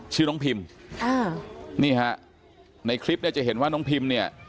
ชื่อน้องพิมอ่านี่ฮะในคลิปเนี่ยจะเห็นว่าน้องพิมเนี่ย